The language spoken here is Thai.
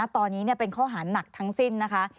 ตอนนี้เป็นข้อหาหนักทั้งสิ้นนะคะ